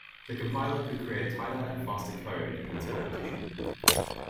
The compiler could create tighter and faster code than its competition.